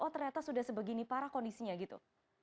oh ternyata sudah sebegini parah kondisinya gitu